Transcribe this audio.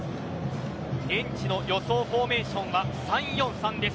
現地の予想フォーメーションは３−４−３です。